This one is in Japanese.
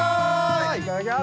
いただきます。